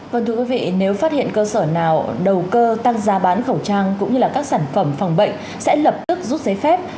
vâng thưa quý vị nếu phát hiện cơ sở nào đầu cơ tăng giá bán khẩu trang cũng như các sản phẩm phòng bệnh sẽ lập tức rút giấy phép